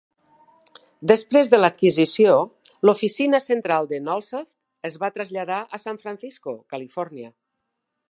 Després de l'adquisició, l'oficina central de Nullsoft es va traslladar a San Francisco, Califòrnia.